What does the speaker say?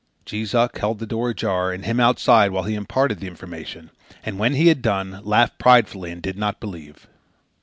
Jees Uck held the door ajar and him outside while he imparted the information; and, when he had done, laughed pridefully and did not believe.